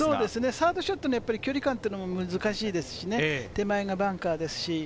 サードショットの距離感が難しいですしね、手前がバンカーですし。